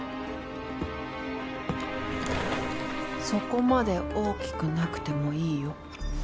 そこまで大きくなくてもいいよ